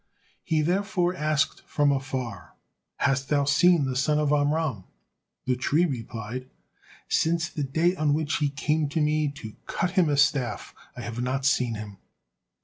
He therefore asked from afar, "Hast thou seen the son of Amram?" The tree replied, "Since the day on which he came to me to cut him a staff, I have not seen him."